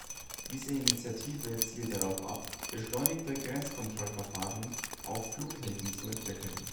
Diese Initiative zielt darauf ab, beschleunigte Grenzkontrollverfahren auf Flughäfen zu entwickeln.